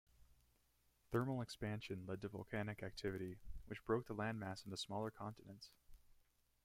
Thermal expansion led to volcanic activity, which broke the land mass into smaller continents.